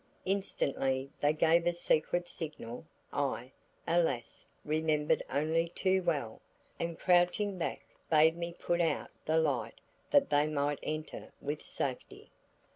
Instantly they gave a secret signal I, alas, remembered only too well, and crouching back, bade me put out the light that they might enter with safety.